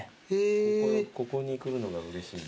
ここに来るのがうれしい。